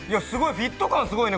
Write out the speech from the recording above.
フィット感がいいね。